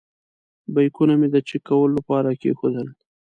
بیکونه مې د چېک کولو لپاره کېښودل.